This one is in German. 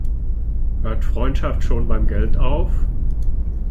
Hört Freundschaft schon beim Geld auf?